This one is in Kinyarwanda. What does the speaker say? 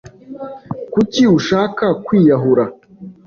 Kuki ushaka kwiyahura?